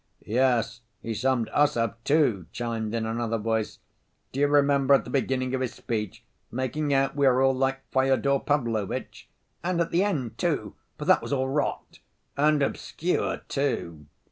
"Yes, he summed us up, too," chimed in another voice. "Do you remember, at the beginning of his speech, making out we were all like Fyodor Pavlovitch?" "And at the end, too. But that was all rot." "And obscure too."